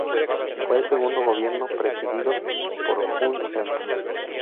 Fue el segundo gobierno presidido por Hun Sen.